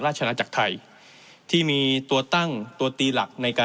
นาจักรไทยที่มีตัวตั้งตัวตีหลักในการ